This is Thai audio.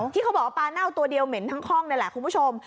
ที่เขาบอกว่าปลาเน่าตัวเดียวเหม็นทั้งห้องนี่แหละคุณผู้ชม